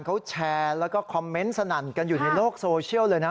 เขาแชร์แล้วก็คอมเมนต์สนั่นกันอยู่ในโลกโซเชียลเลยนะ